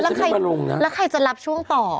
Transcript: คงยุ่งนะมันคงยุ่งและใครจะรับช่วงต่อ